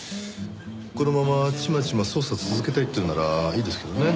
このままちまちま捜査続けたいっていうんならいいですけどね。